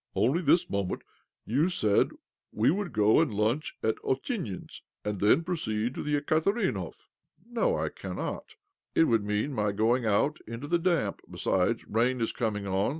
" Only this moment you said we would go and lunch at Ovchinin's, and then proceed to the Ekaterinhov I "" No, I cannot. It would mean my going out into the damp. Besides, rain is coming on.